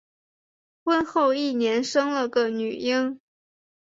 婚后一年生了个女婴